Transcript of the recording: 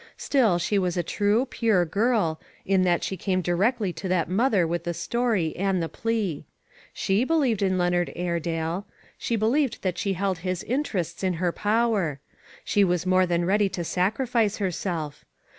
Still, she was a true, pure girl, in that she came directly to that mother with the story and the plea. She believed in Leonard Airedale. She be lieved that she held his interests in her power. She was more than ready to sacri fice herself.